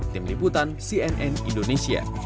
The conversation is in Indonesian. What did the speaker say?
tim liputan cnn indonesia